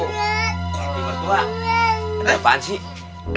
tiga mertua ada apaan sih